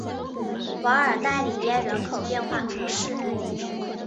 瓦尔代里耶人口变化图示